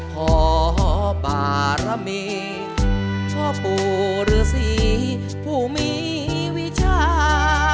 พ่อบารมีพ่อปู่หรือสี่ผู้มีวิชา